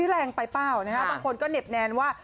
โอ้ยแรงไปเปล่านะบางคนก็เน็บแนนว่า